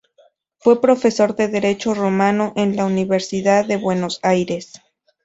Fue profesor de Derecho Romano en la Universidad de Buenos Aires.